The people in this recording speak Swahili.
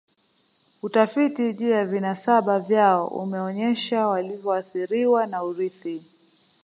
Utafiti juu ya vinasaba vyao umeonyesha walivyoathiriwa na urithi